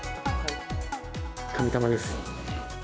神玉です。